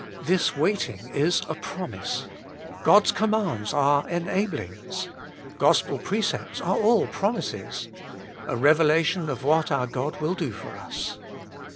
This waiting is a promise. God's commands are enablings : gospel precepts are all promises, a revelation of what our God will do for us.